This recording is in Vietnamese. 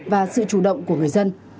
và sự chủ động của người dân